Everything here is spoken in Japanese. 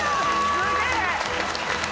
すげえ！